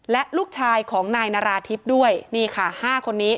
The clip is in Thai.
และลูกชายของนายนาราธิบด้วยนี่ค่ะ๕คนนี้